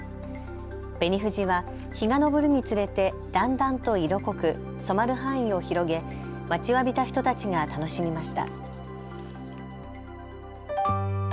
紅富士は日が昇るにつれてだんだんと色濃く染まる範囲を広げ待ちわびた人たちが楽しみました。